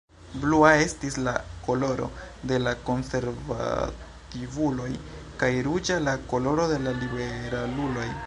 Blua estis la koloro de la konservativuloj, kaj ruĝa la koloro de la liberaluloj.